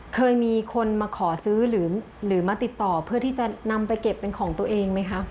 เคยมีคนมาขอซื้อหรือมาติดต่อเพื่อที่จะนำไปเก็บเป็นของตัวเองไหมคะ